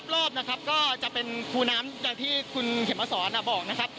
รอบนะครับก็จะเป็นคูน้ำอย่างที่คุณเข็มมาสอนบอกนะครับ